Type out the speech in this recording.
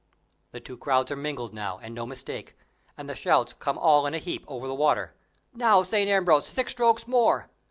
The two crowds are mingled now, and no mistake; and the shouts come all in a heap over the water. "Now, St. Ambrose, six strokes more."